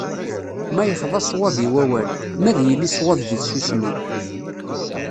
Ma yexḍa sswab i wawal, ma ad yili sswab di tsusmi.